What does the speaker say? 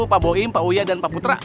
pak boim pak uya dan pak putra